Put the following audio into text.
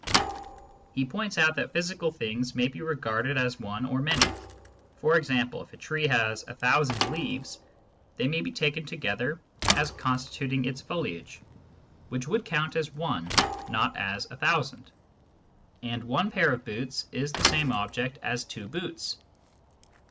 He points out that physical things may be regarded as one or many : for example, if a tree has a thousand leaves, they may be taken altogether as con stituting its foliage, which would count as one, not as a thousand ; and one pair of boots is the same object as two boots.